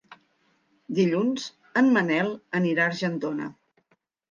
Dilluns en Manel anirà a Argentona.